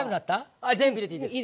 あ全部入れていいです。